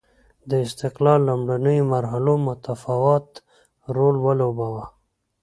د استقلال لومړنیو مرحلو متفاوت رول ولوباوه.